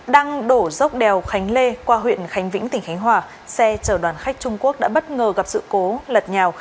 đăng đổ dốc đèo khánh lê qua huyện khánh vĩnh tỉnh khánh hòa xe chở đoàn khách trung quốc đã bất ngờ gặp sự cố lật nhào